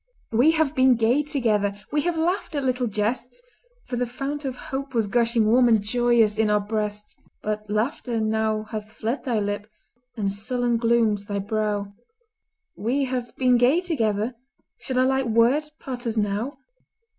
We have been gay together; We have laughed at little jests; For the fount of hope was gushing Warm and joyous in our breasts, But laughter now hath fled thy lip, And sullen glooms thy brow; We have been gay together, Shall a light word part us now?